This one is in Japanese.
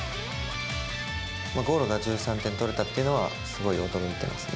ゴールが１３点取れたっていうのは、すごい驚いてますね。